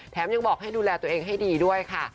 ยังบอกให้ดูแลตัวเองให้ดีด้วยค่ะ